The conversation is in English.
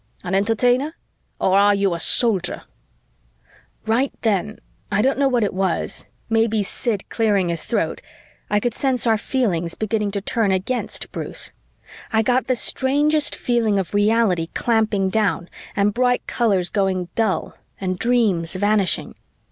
An Entertainer? Or are you a Soldier?" Right then I don't know what it was, maybe Sid clearing his throat I could sense our feelings beginning to turn against Bruce. I got the strangest feeling of reality clamping down and bright colors going dull and dreams vanishing.